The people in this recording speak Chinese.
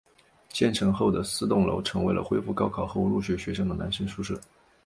建成后的四栋楼成为了恢复高考后入学学生的男生宿舍。